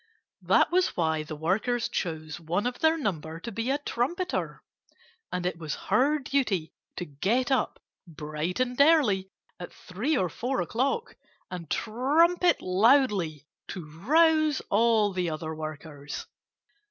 That was why the workers chose one of their number to be a trumpeter. And it was her duty to get up bright and early, at three or four o'clock, and trumpet loudly to rouse all the other workers.